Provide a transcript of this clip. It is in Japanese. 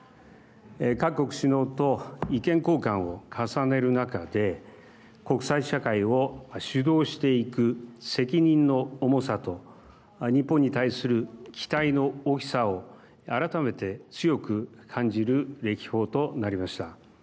各国首脳と意見交換を重ねる中で国際社会を主導していく責任の重さと日本に対する期待の大きさを改めて強く感じる歴訪となりました。